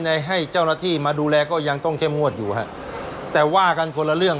ให้เจ้าหน้าที่มาดูแลก็ยังต้องเข้มงวดอยู่ฮะแต่ว่ากันคนละเรื่อง